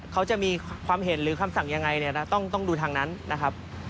เขาจะมีความเห็นหรือความสั่งอย่างไรต้องดูทางนั้นนะครับ